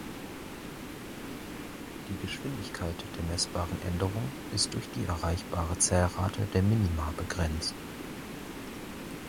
Die Geschwindigkeit der messbaren Änderung ist durch die erreichbare Zählrate der Minima begrenzt.